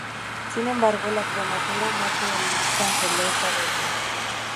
Sin embargo, la prematura muerte de Lee canceló esta reunión.